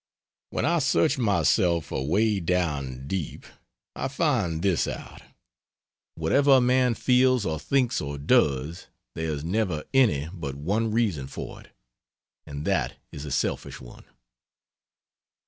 When I search myself away down deep, I find this out. Whatever a man feels or thinks or does, there is never any but one reason for it and that is a selfish one.